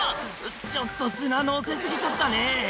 ちょっと砂載せ過ぎちゃったね